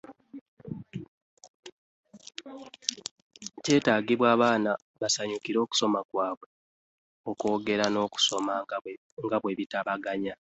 Kyetaagibwa abaana basanyukire okusoma kwabwe, okwogera n'okusoma nga bitabaganye.